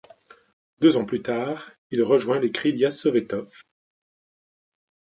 Deux ans plus tard, il rejoint les Krylia Sovetov.